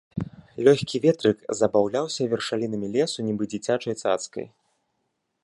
Лёгкі ветрык забаўляўся вершалінамі лесу, нібы дзіцячай цацкай.